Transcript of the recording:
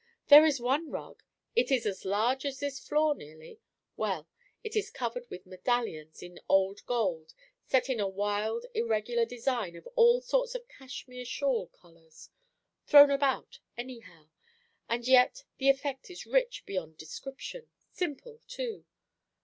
There is one rug it is as large as this floor, nearly, well, it is covered with medallions in old gold, set in a wild, irregular design of all sorts of Cashmere shawl colours thrown about anyhow; and yet the effect is rich beyond description; simple, too.